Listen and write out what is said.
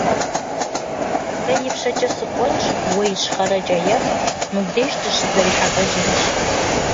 Сэ ипщэкӀэ сыкӀуэнщ, уэ ищхъэрэкӀэ ех, мыбдеж дыщызэрихьэлӀэжынщ.